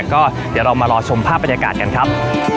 ก็เดี๋ยวเรามารอชมภาพบรรยากาศกันครับ